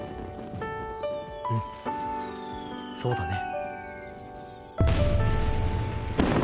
うんそうだね。